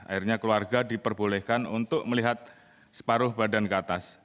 akhirnya keluarga diperbolehkan untuk melihat separuh badan ke atas